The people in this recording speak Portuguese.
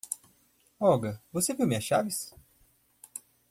Olga, você viu minhas chaves?